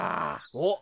おっ。